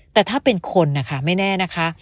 แต่ถ้าเป็นคนนะคะไม่แน่นะคะ